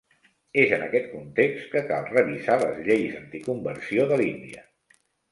És en aquest context que cal revisar les lleis anticonversió de l'Índia.